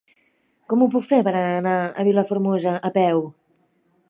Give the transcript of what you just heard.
Com ho puc fer per anar a Vilafermosa a peu?